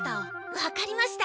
わかりました。